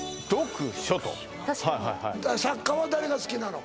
確かに作家は誰が好きなの？